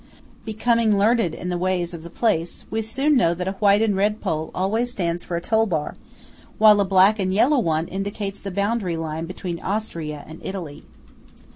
Becoming learned in the ways of the place, we soon know that a white and red pole always stands for a toll bar, while a black and yellow one indicates the boundary line between Austria and Italy.